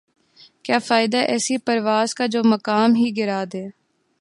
کیا فائدہ ایسی پرواز کا جومقام ہی گِرادے